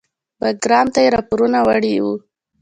بګرام ته یې راپورونه وړي وو.